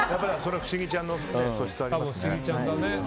不思議ちゃんの素質がありますね。